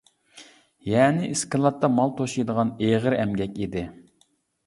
يەنى ئىسكىلاتتا مال توشۇيدىغان ئېغىر ئەمگەك ئىدى.